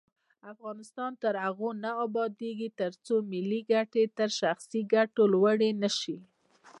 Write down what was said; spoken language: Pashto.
افغانستان تر هغو نه ابادیږي، ترڅو ملي ګټې تر شخصي ګټو لوړې نشي.